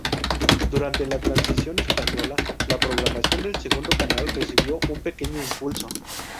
Durante la transición española, la programación del segundo canal recibió un pequeño impulso.